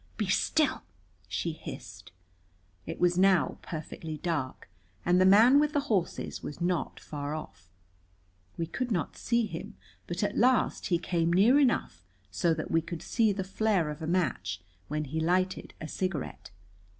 "Be still!" she hissed. It was now perfectly dark, and the man with the horses was not far off. We could not see him, but at last he came near enough so that we could see the flare of a match when he lighted a cigarette.